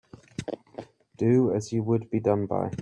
Do as you would be done by.